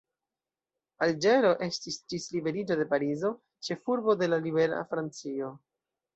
Alĝero estis ĝis liberiĝo de Parizo, ĉefurbo de la libera Francio.